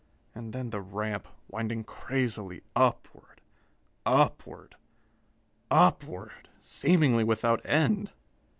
And then the ramp, winding crazily upward upward upward, seemingly without end.